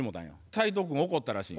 斉藤君怒ったらしい。